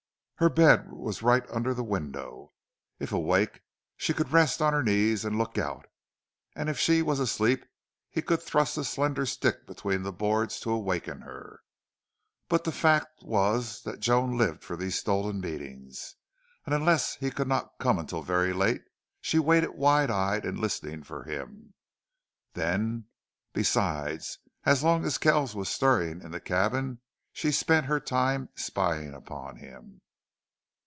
Her bed was right under the window: if awake she could rest on her knees and look out; and if she was asleep he could thrust a slender stick between the boards to awaken her. But the fact was that Joan lived for these stolen meetings, and unless he could not come until very late she waited wide eyed and listening for him. Then, besides, as long as Kells was stirring in the cabin she spent her time spying upon him.